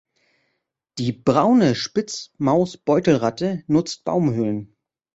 Die Braune Spitzmausbeutelratte nutzt Baumhöhlen.